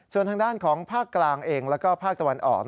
ส่วนทางด้านของภาคกลางเองแล้วก็ภาคตะวันออก